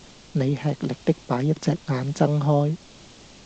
你吃力的把一隻眼睜開